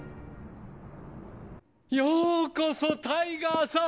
ようこそタイガーさん！